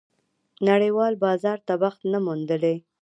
نړېوال بازار ته بخت نه موندلی.